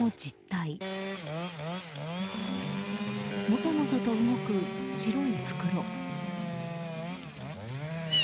もぞもぞと動く白い袋。